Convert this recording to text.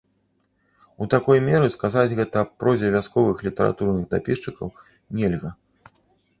У такой меры сказаць гэта аб прозе вясковых літаратурных дапісчыкаў нельга.